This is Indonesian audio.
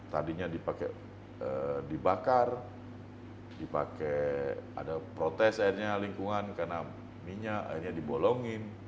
tadinya dipakai dibakar dipakai ada protes akhirnya lingkungan karena minyak akhirnya dibolongin